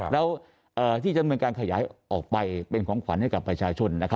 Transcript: แล้วที่ดำเนินการขยายออกไปเป็นของขวัญให้กับประชาชน